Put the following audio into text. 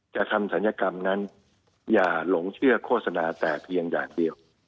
จะทำศัลยกรรมนั้นอย่าหลงเชื่อโฆษณาแต่เพียงอย่างเดียว